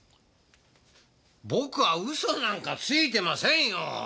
僕は嘘なんかついてませんよ！